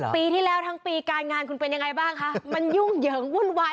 ปีที่แล้วทั้งปีการงานคุณเป็นยังไงบ้างคะมันยุ่งเหยิงวุ่นวาย